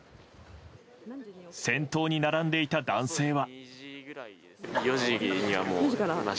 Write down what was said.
先頭に並んでいた男性は。